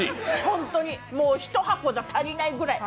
もう１箱じゃ足りないぐらい！